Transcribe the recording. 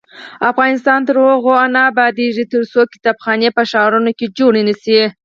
افغانستان تر هغو نه ابادیږي، ترڅو کتابخانې په ښارونو کې جوړې نشي.